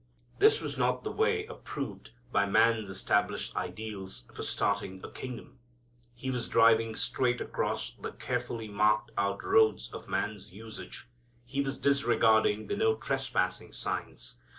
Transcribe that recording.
This was not the way approved by man's established ideals for starting a kingdom. He was driving straight across the carefully marked out roads of man's usage. He was disregarding the "No trespassing" signs.